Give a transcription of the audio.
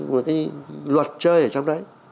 một cái luật chơi ở trong đấy